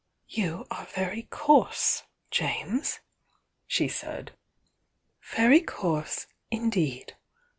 "You are very coarse, James," she said— "very coarse mdeed!